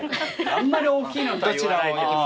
あんまり大きいのとは言わないけどさ。